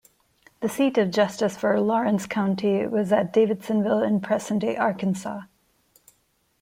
The seat of justice for Lawrence County was at Davidsonville in present-day Arkansas.